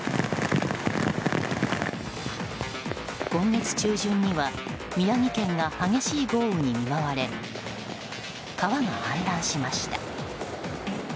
今月中旬には宮城県が激しい豪雨に見舞われ川が氾濫しました。